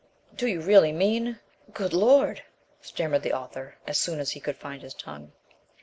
"Do you really mean Good Lord!" stammered the author as soon as he could find his tongue.